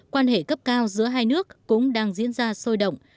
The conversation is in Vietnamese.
quan hệ cấp cao giữa hai nước cũng đang diễn ra sôi động